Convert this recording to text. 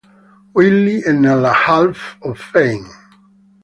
Willie è nella Hall of Fame.